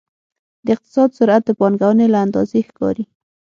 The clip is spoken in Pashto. د اقتصاد سرعت د پانګونې له اندازې ښکاري.